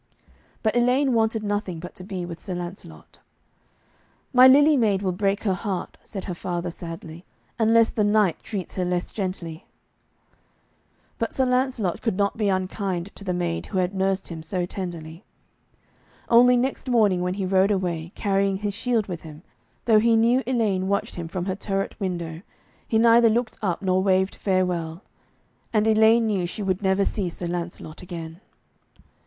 But Elaine wanted nothing but to be with Sir Lancelot. 'My Lily Maid will break her heart,' said her father sadly, 'unless the knight treats her less gently.' But Sir Lancelot could not be unkind to the maid who had nursed him so tenderly. Only, next morning when he rode away, carrying his shield with him, though he knew Elaine watched him from her turret window, he neither looked up nor waved farewell. And Elaine knew she would never see Sir Lancelot again.